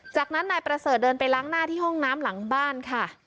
จากนั้นนายประเสริฐเดินไปล้างหน้าที่ห้องน้ำหลังบ้านค่ะ